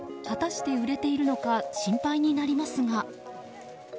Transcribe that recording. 果たして、売れているのか心配になりますが。